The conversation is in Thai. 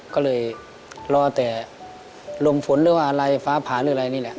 ก็เลยรอแต่ลมฝนหรือว่าอะไรฟ้าผ่านหรืออะไรนี่แหละ